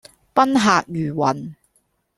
賓客如雲